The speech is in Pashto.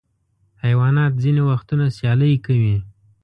حیوانات ځینې وختونه سیالۍ کوي.